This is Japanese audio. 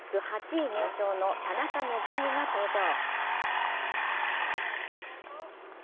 ８位入賞の田中希実が登場。